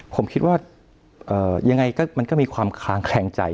ผมคิดว่ายังไงก็มันก็มีความคลางแคลงใจ